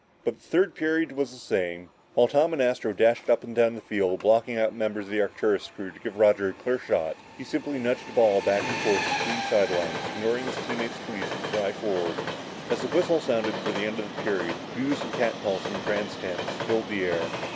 But the third period was the same. While Tom and Astro dashed up and down the field, blocking out the members of the Arcturus crew to give Roger a clear shot, he simply nudged the ball back and forth between the side lines, ignoring his teammates' pleas to drive forward. As the whistle sounded for the end of the period, boos and catcalls from the grandstand filled the air.